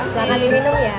silahkan diminum ya